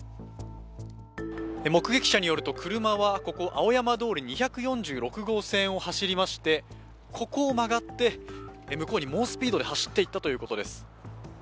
目撃者によると車はここ青山通り２４６号線を走りましてここを曲がって向こうに猛スピードで走っていったということです。